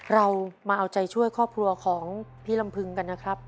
เรามาเอาใจช่วยครอบครัวของพี่ลำพึงกันนะครับ